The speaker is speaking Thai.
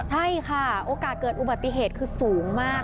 ใช่ค่ะโอกาสเกิดอุบัติเหตุคือสูงมาก